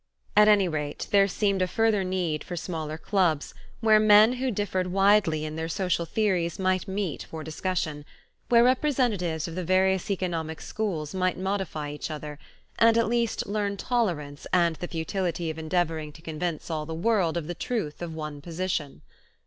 At any rate, there seemed a further need for smaller clubs, where men who differed widely in their social theories might meet for discussion, where representatives of the various economic schools might modify each other, and at least learn tolerance and the futility of endeavoring to convince all the world of the truth of one position.